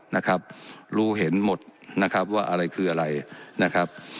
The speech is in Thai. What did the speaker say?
นะครับรู้เห็นหมดนะครับว่าอะไรคืออะไรนะครับ